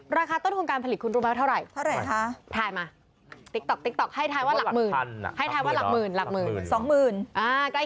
ราคาต้นทุนการผลิตคุณรู้มั้ยข้าวไหร่